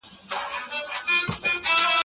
نوي اقتصادي تګلارې بايد په سمه توګه پلې سي.